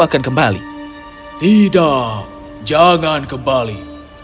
akan kembali tidak jangan kembali